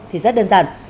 thì rất đơn giản